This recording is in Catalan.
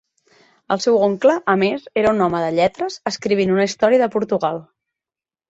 El seu oncle, a més, era un home de lletres, escrivint una història de Portugal.